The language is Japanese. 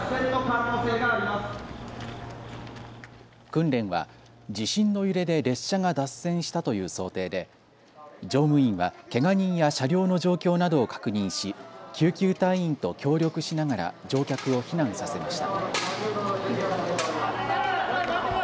訓練は地震の揺れで列車が脱線したという想定で乗務員は、けが人や車両の状況などを確認し、救急隊員と協力しながら乗客を避難させました。